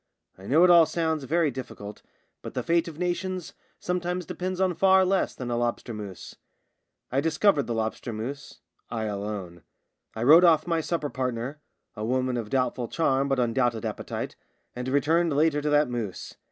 I know it all sounds very difficult, but the fate of nations sometimes depends on far less than a lobster mousse. I discovered the lobster mousse — I alone. I rode off my supper partner — a woman of doubtful charm but undoubted appetite — and returned later to that mousse.